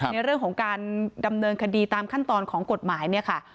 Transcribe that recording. ในเรื่องของการดำเนินคดีตามขั้นตอนของกฎหมายเนี่ยค่ะ